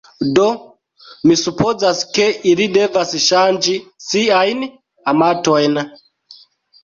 Do, mi supozas ke ili devas ŝanĝi siajn amatojn.